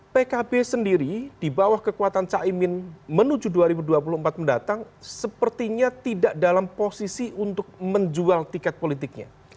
pkb sendiri di bawah kekuatan caimin menuju dua ribu dua puluh empat mendatang sepertinya tidak dalam posisi untuk menjual tiket politiknya